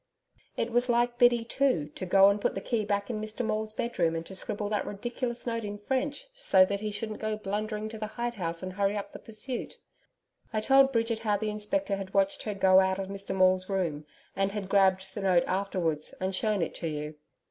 It was like Biddy too, to go and put the key back in Mr Maule's bedroom and to scribble that ridiculous note in French so that he shouldn't go blundering to the hide house and hurry up the pursuit. I told Bridget how the Inspector had watched her go out of Mr Maule's room, and had grabbed the note afterwards, and shown it to you.